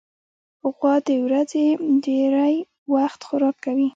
غوا د ورځې ډېری وخت خوراک کوي.